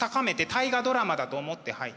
「大河ドラマ」だと思ってはい。